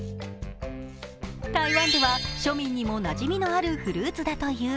台湾では庶民にもなじみのあるフルーツだという。